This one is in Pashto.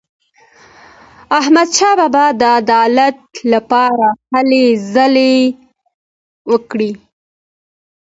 احمدشاه بابا د عدالت لپاره هلې ځلې وکړې.